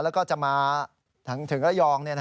แล้วก็จะมาถึงระยอง